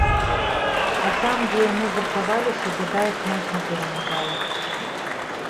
А там, дзе яны гуртаваліся, бяда іх моцна перамагала.